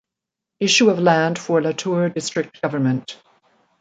Issue of land for Latur District Govt.